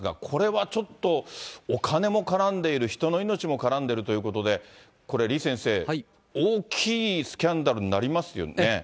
これはちょっとお金も絡んでいる、人の命も絡んでいるということで、これ、李先生、大きいスキャンダルになりますよね。